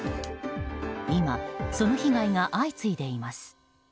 今、その被害が相次いでいます。